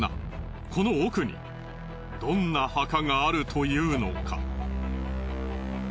この奥にどんな墓があるというのか。